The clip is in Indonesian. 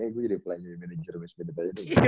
eh gue jadi apply jadi managernya wes bandit aja nih